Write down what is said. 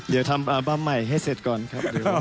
เดี๋ยวทำอัลบั้มใหม่ให้เสร็จก่อนครับ